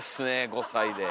５歳で。